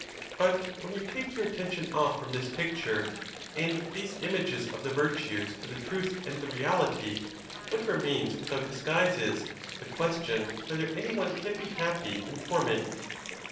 But when you take your attention off from this picture and these images of the virtues to the truth and the reality, what remains without disguise is, the question whether any one can be happy in torment?